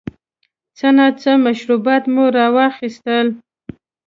څه ناڅه مشروبات مو را واخیستل.